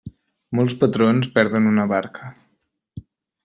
Molts patrons perden una barca.